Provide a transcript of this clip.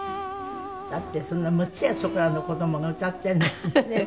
だってそんな６つやそこらの子供が歌っているのにね